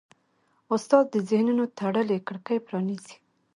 استاد د ذهنونو تړلې کړکۍ پرانیزي.